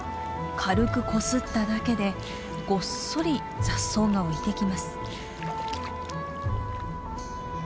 軽くこすっただけでごっそり雑草が浮いてきます。